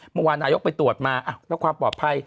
เมื่อวานนายกไปตรวจมาแล้วความปลอดภัย